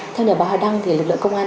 theo nhà báo hà đăng thì lực lượng công an